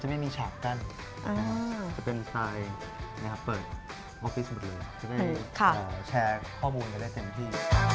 จะไม่มีแชร์ข้อมูลกันได้เต็มที่